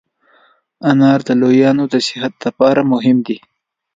انار د لویانو د صحت لپاره مهم دی.